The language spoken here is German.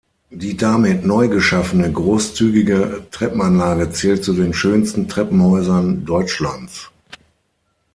Die damit neu geschaffene, großzügige Treppenanlage zählt zu den schönsten Treppenhäusern Deutschlands.